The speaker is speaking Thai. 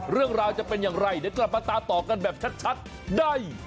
เรื่องราวจะเป็นอย่างไรเดี๋ยวกลับมาตามต่อกันแบบชัดได้